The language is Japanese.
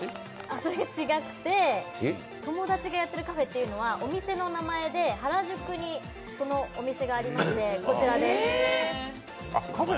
それが違くて、友達がやってるカフェというのはお店の名前で、原宿にそのお店がありまして、こちらです。